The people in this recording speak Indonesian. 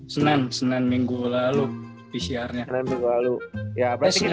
seneng seneng minggu lalu pcr nya